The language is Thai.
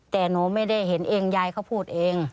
แต่หนูไม่ได้เห็นเองยายเขาพูดเอง